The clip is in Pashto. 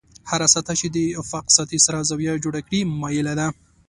هره سطحه چې د افق سطحې سره زاویه جوړه کړي مایله ده.